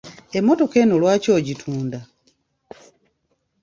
Emmotoka eno lwaki ogitunda?